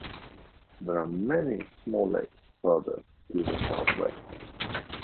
There are many small lakes further to the southwest.